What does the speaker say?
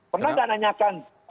pernah nggak nanyakan